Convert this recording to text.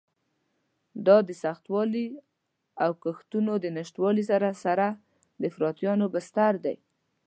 دا د سختوالي او کښتونو د نشتوالي سره سره د افراطیانو بستر دی.